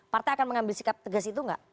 partai akan mengambil sikap tegas itu nggak